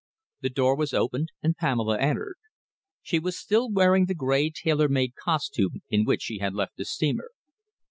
The door was opened and Pamela entered. She was still wearing the grey tailor made costume in which she had left the steamer.